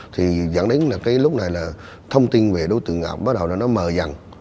thì dẫn đến lúc này là thông tin về đối tượng ngạp bắt đầu nó mờ dần